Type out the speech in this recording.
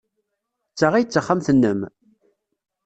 D ta ay d taxxamt-nnem?